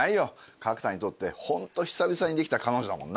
角田にとってホント久々にできた彼女だもんな。